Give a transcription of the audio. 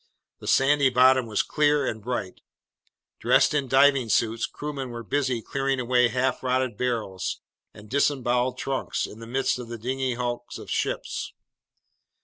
The sandy bottom was clear and bright. Dressed in diving suits, crewmen were busy clearing away half rotted barrels and disemboweled trunks in the midst of the dingy hulks of ships.